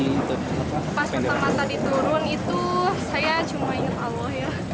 pas pertama tadi turun itu saya cuma ingat allah ya